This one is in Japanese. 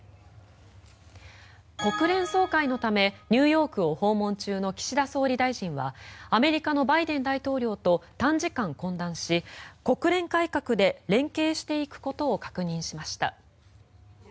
国連総会のためニューヨークを訪問中の岸田総理大臣はアメリカのバイデン大統領と短時間、懇談し国連改革で連携していくことを確認しました。